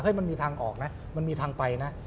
มันมีทางออกนะมันมีทางไปนะ